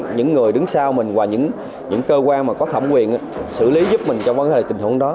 có những người đứng sau mình và những cơ quan mà có thẩm quyền xử lý giúp mình trong cái tình huống đó